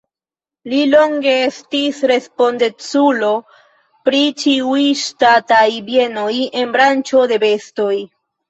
Li longe estis respondeculo pri ĉiuj ŝtataj bienoj en branĉo de bestoj.